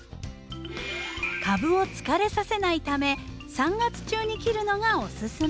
株を疲れさせないため３月中に切るのがおすすめ。